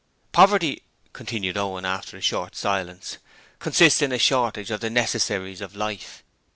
'Poverty,' continued Owen after a short silence, 'consists in a shortage of the necessaries of life.